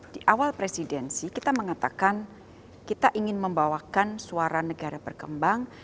di awal presidensi kita mengatakan kita ingin membawakan suara negara berkembang